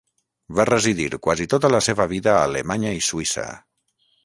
Va residir quasi tota la seva vida a Alemanya i Suïssa.